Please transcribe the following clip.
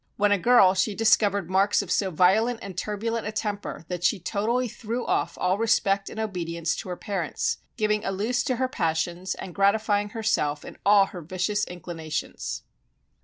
While a girl she discovered marks of so violent and turbulent a temper that she totally threw off all respect and obedience to her parents, giving a loose to her passions and gratifying herself in all her vicious inclinations.